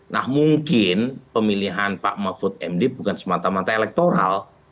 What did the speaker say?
nah mungkin pemilihan pak mahfud md bukan semata mata elektoral